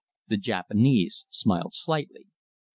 The Japanese smiled slightly.